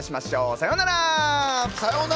さようなら。